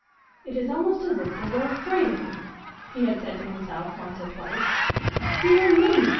"It is almost as if they were afraid of me," he had said to himself once or twice. "Dear me!